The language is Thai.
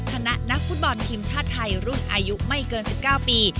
นักฟุตบอลทีมชาติไทยรุ่นอายุไม่เกิน๑๙ปี